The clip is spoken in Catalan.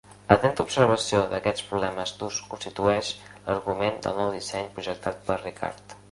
L'atenta observació d'aquests problemes d'ús constitueix l'argument del nou disseny projectat per Ricard.